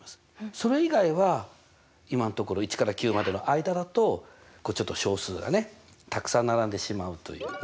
それ以外は今んところ１から９までの間だとこうちょっと小数がねたくさん並んでしまうというね。